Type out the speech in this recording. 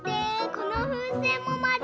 このふうせんもまる！